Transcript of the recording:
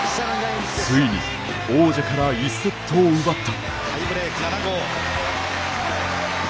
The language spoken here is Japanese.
ついに王者から１セットを奪った。